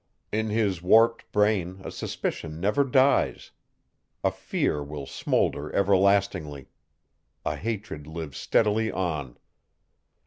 In his warped brain a suspicion never dies. A fear will smolder everlastingly. A hatred lives steadily on.